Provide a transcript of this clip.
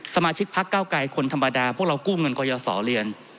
สมาชิกพักเก้าไกรคนธรรมดาพวกเรากู้เงินกยศเรียน